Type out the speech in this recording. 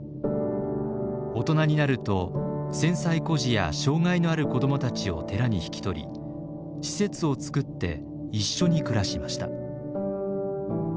大人になると戦災孤児や障害のある子どもたちを寺に引き取り施設をつくって一緒に暮らしました。